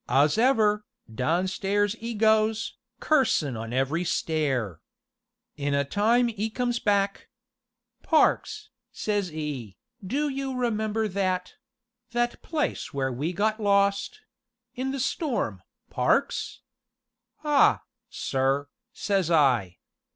'Ows'ever, downstairs 'e goes, cursin' on every stair. In a time 'e comes back. 'Parks,' says 'e, 'do you remember that that place where we got lost in the storm, Parks?' 'Ah, sir,' says I.